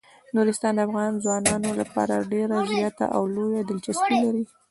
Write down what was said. نورستان د افغان ځوانانو لپاره ډیره زیاته او لویه دلچسپي لري.